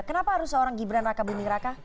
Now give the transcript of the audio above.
kenapa harus seorang gibran raka buming raka